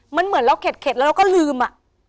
มันเหมือนเราเข็ดแล้วเราก็ลืมอ่ะ